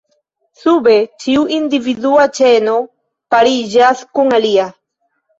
Sube, ĉiu individua ĉeno pariĝas kun alia.